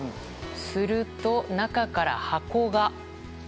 すると、中から箱が。